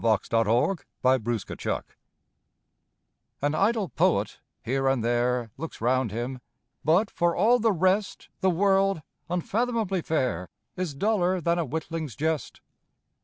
Coventry Patmore The Revelation AN idle poet, here and there, Looks round him, but, for all the rest, The world, unfathomably fair, Is duller than a witling's jest.